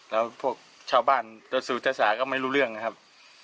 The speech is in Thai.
แล้วพวกชาวบ้านตัวสูตรศาสตร์ก็ไม่รู้เรื่องนะครับ